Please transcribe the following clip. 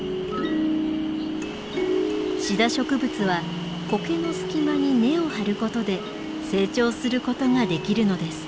シダ植物はコケの隙間に根を張ることで成長することができるのです。